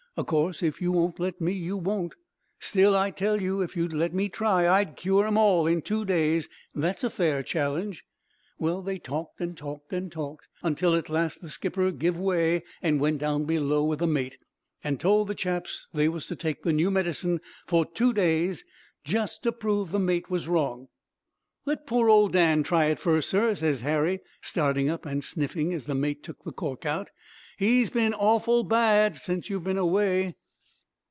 'O' course, if you won't let me you won't. Still, I tell you, if you'd let me try I'd cure 'em all in two days. That's a fair challenge.' "Well, they talked, and talked, and talked, until at last the skipper give way and went down below with the mate, and told the chaps they was to take the new medicine for two days, jest to prove the mate was wrong. "'Let pore old Dan try it first, sir,' ses Harry, starting up, an' sniffing as the mate took the cork out; 'he's been awful bad since you've been away.'